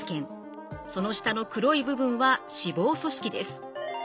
その下の黒い部分は脂肪組織です。